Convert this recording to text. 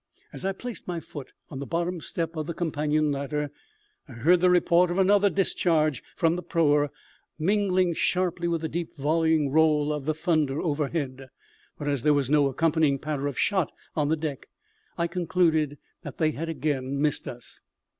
As I placed my foot on the bottom step of the companion ladder I heard the report of another discharge from the proa mingling sharply with the deep, volleying roll of the thunder overhead, but as there was no accompanying patter of shot on the deck I concluded that they had again missed us.